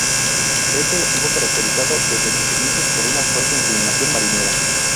Este estuvo caracterizado desde sus inicios por una fuerte inclinación marinera.